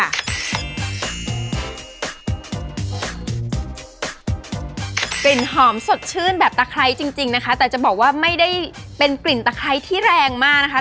กลิ่นหอมสดชื่นแบบตะไคร้จริงนะคะแต่จะบอกว่าไม่ได้เป็นกลิ่นตะไคร้ที่แรงมากนะคะ